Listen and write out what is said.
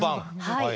はい。